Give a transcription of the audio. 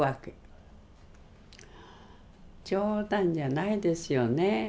冗談じゃないですよね。